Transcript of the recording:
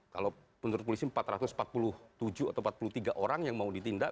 kalau menurut polisi empat ratus empat puluh tujuh atau empat puluh tiga orang yang mau ditindak